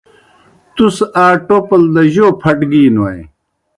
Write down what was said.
تُس آ ٹوپل دہ جو پھٹگِینوئے؟